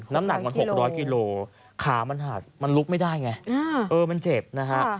น้ำหนักมัน๖๐๐กิโลกรัมขามันหลุกไม่ได้ไงมันเจ็บนะฮะ